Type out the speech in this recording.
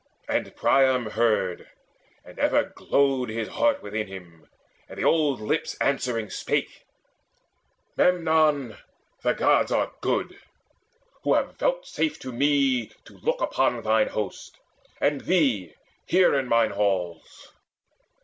And Priam heard, and ever glowed his heart Within him; and the old lips answering spake: "Memnon, the Gods are good, who have vouchsafed To me to look upon thine host, and thee Here in mine halls.